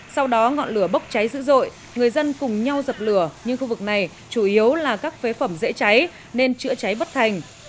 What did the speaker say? sau đó ngọn lửa bốc cháy dữ dội người dân cùng nhau dập lửa nhưng khu vực này chủ yếu là các phế phẩm dễ cháy nên chữa cháy bất thành